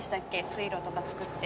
水路とかつくって。